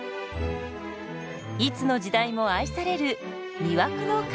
いつの時代も愛される魅惑の菓子パンです。